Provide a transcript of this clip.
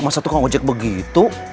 masa tukang ojek begitu